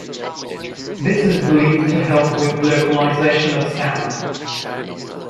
This is believed to help with localization of sound.